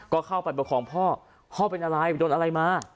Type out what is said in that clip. ก็เข้าไปประคองพ่อพ่อเป็นอะไรไปโดนอะไรมา